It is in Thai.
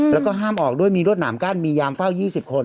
แล้วก็ห้ามออกด้วยมีรวดหนามกั้นมียามเฝ้า๒๐คน